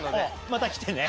また来てね。